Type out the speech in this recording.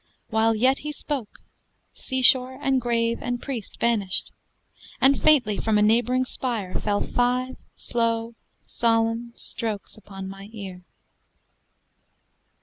While yet he spoke, seashore and grave and priest Vanished, and faintly from a neighboring spire Fell five slow solemn strokes upon my ear.